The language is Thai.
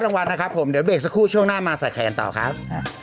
รางวัลนะครับผมเดี๋ยวเบรกสักครู่ช่วงหน้ามาใส่แขนต่อครับ